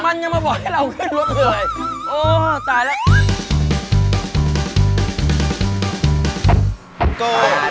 มันยังมาบอกให้เราขึ้นรถเลย